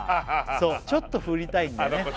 そうちょっと振りたいんだよね